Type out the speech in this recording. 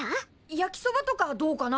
焼きそばとかどうかな？